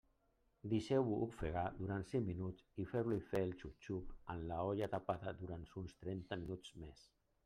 Deixeu-ho ofegar durant cinc minuts i feu-li fer el xup-xup amb l'olla tapada durant uns trenta minuts més.